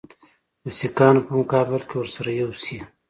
د سیکهانو په مقابل کې ورسره یو شي.